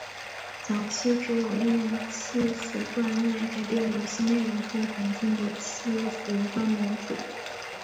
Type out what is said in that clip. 早期只有利用伺服端来改变游戏内容或环境的伺服端模组。